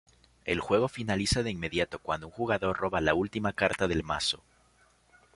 El juego finaliza de inmediato cuando un jugador roba la última carta del mazo.